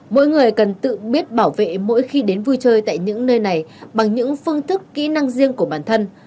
mỗi người cần tự biết bảo vệ mỗi khi đến vui chơi tại những nơi này bằng những phương thức kỹ năng riêng của bản thân